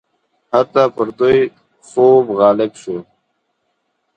هلته پر دوی خوب غالب شو.